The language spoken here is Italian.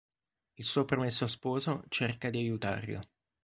Il suo promesso sposo cerca di aiutarla.